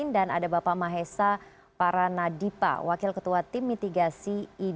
dan ada bapak mahesa paranadipa wakil ketua tim mitigasi